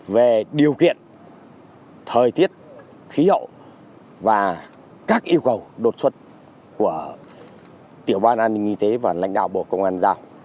về điều kiện thời tiết khí hậu và các yêu cầu đột xuất của tiểu ban an ninh y tế và lãnh đạo bộ công an giao